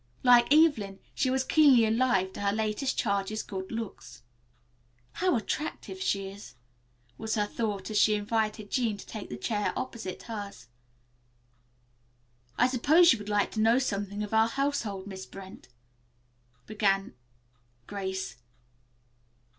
Like Evelyn, she was keenly alive to her latest charge's good looks. "How attractive she is," was her thought as she invited Jean to take the chair opposite hers. "I suppose you would like to know something of our household, Miss Brent," began Grace.